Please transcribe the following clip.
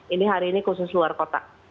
ini hari ini khusus luar kota